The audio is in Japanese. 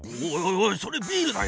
おいそれビールだよ。